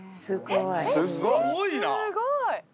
すごい。